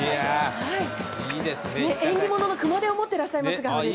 縁起物の熊手を持ってらっしゃいますが。